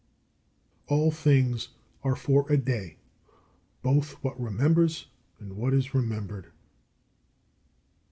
35. All things are for a day, both what remembers and what is remembered.